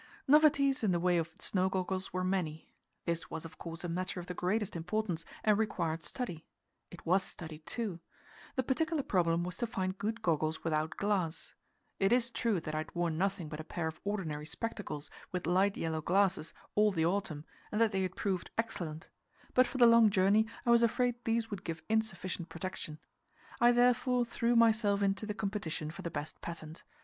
Novelties in the way of snow goggles were many. This was, of course, a matter of the greatest importance and required study it was studied, too! The particular problem was to find good goggles without glass. It is true that I had worn nothing but a pair of ordinary spectacles, with light yellow glasses, all the autumn, and that they had proved excellent; but for the long journey I was afraid these would give insufficient protection. I therefore threw myself into the competition for the best patent.